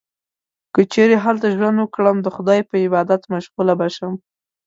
که چیرې هلته ژوند وکړم، د خدای په عبادت مشغوله به شم.